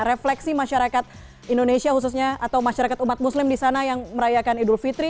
refleksi masyarakat indonesia khususnya atau masyarakat umat muslim di sana yang merayakan idul fitri